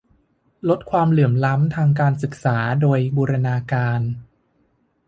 ลดความเหลื่อมล้ำทางการศึกษาโดยบูรณาการ